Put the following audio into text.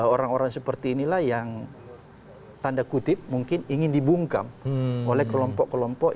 orang orang seperti inilah yang tanda kutip mungkin ingin dibungkam oleh kelompok kelompok